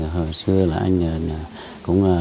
hồi xưa là anh ấy cũng là